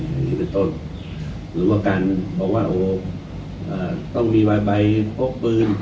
อย่างนี้เป็นต้นหรือว่าการบอกว่าโอ้ต้องมีใบพกปืน